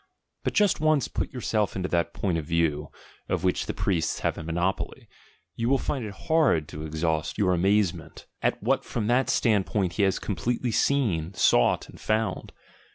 But just once put yourself into that point of view, of which the priests have a monopoly, you will find it hard to exhaust your amaze ment, at what from that standpoint he has completely seen, sought, and found.